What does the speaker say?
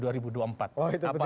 oh itu betul juga ya